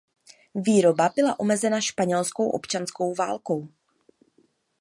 Výroba byla omezena španělskou občanskou válkou.